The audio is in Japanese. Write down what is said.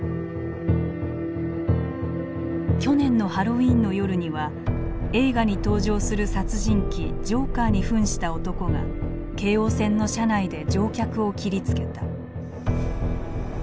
去年のハロウィーンの夜には映画に登場する殺人鬼ジョーカーにふんした男が京王線の車内で乗客を切りつけた。